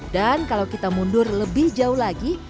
dan kalau kita mundur lebih jauh lagi